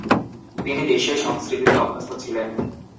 তিনি দেশীয় সংস্কৃতিতে অভ্যস্ত ছিলেন।